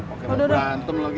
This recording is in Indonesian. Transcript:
oke berantem lagi